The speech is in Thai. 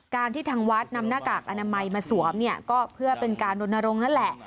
ที่ทางวัดนำหน้ากากอนามัยมาสวมเนี่ยก็เพื่อเป็นการรณรงค์นั่นแหละ